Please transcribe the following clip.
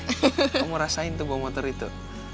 kamu rasain tuh bawa motor itu